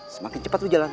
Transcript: semakin cepat lo jalan